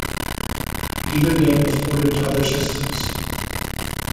Neither game was ported to other systems.